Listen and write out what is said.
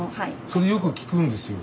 それよく聞くんですよ。